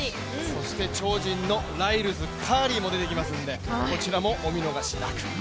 そして超人のライルズ、カーリーも出てきますので、こちらもお見逃しなく。